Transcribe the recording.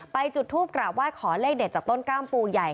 จุดทูปกราบไหว้ขอเลขเด็ดจากต้นกล้ามปูใหญ่